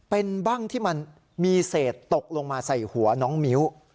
เป็นบ้างที่มันมีเศษตกลงมาใส่หัวน้องมิ้ว